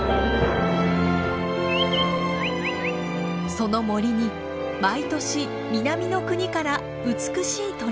その森に毎年南の国から美しい鳥がやって来ます。